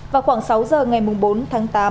vào khoảng sáu giờ ngày bốn tháng tám